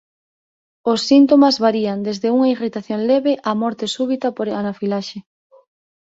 Os síntomas varían desde unha irritación leve á morte súbita por anafilaxe.